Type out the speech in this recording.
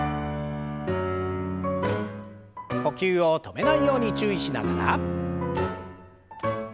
呼吸を止めないように注意しながら。